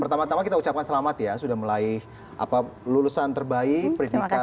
pertama tama kita ucapkan selamat ya sudah melaih lulusan terbaik predikat luar biasa